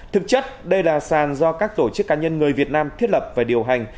thực chất đây là sàn do các tổ chức cá nhân người việt nam thiết lập và điều hành